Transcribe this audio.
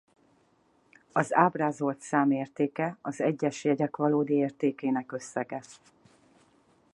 Az ábrázolt szám értéke az egyes jegyek valódi értékének összege.